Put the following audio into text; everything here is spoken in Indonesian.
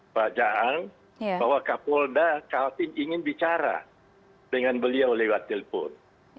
pak jaang bahwa kapolda kaltim ingin bicara dengan beliau lewat telepon